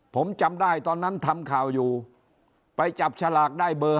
ผมจำได้ตอนนั้นทำข่าวอยู่ไปจับฉลากได้เบอร์